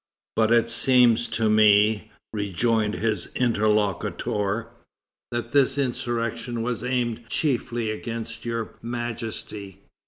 "But it seems to me," rejoined his interlocutor, "that this insurrection was aimed chiefly against Your Majesty."